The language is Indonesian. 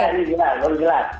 iya bisa boleh jelas